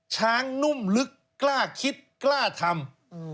ช้างนุ่มลึกกล้าคิดกล้าทำ